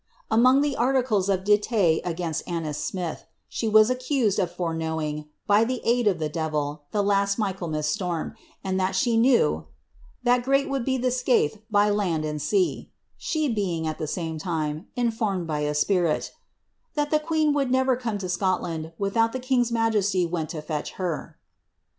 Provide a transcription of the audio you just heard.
"* Among the articles of dittay against Annis Simpson, she was accused of foreknowing, by the aid of the devil, the last Af ichaelmas storm, and that she knew ^ that great would be the skaith by land and sea," she being, at the same time, informed by a spirit, ^ that the queen would never come to Scotland withoiH the king's majesty went to fetch her."